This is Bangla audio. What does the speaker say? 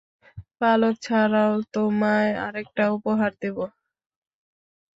পালক ছাড়াও তোমায় আরেকটা উপহার দেব।